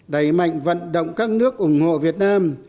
đẩy mạnh vận động các nước ủng hộ việt nam